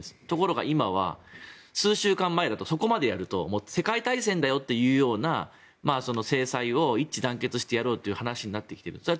ところが今は数週間前だと、そこまでやると世界大戦だよというような制裁を一致団結してやろうという話になってきている。